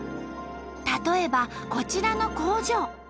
例えばこちらの工場。